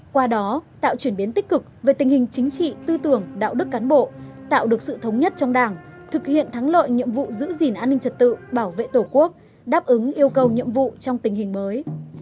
qua đó tạo chuyển biến tích cực về tình hình chính trị tư tưởng đạo đức cán bộ tạo được sự thống nhất trong đảng thực hiện thắng lợi nhiệm vụ giữ gìn an ninh trật tự bảo vệ tổ quốc đáp ứng yêu cầu nhiệm vụ trong tình hình mới